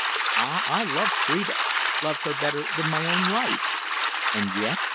Ah, I loved Phrida loved her better than my own life and yet